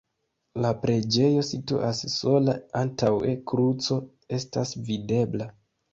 La preĝejo situas sola, antaŭe kruco estas videbla.